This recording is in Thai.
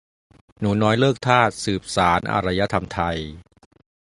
"หนูน้อยเลิกทาส สืบสานอารยธรรมไทย"